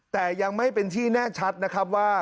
แต่ยังไม่เป็นที่แน่ชัดนะครับว่า